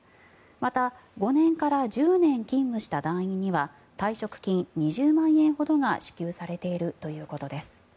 また５年から１０年勤務した団員には退職金２０万円ほどが支給されているということです。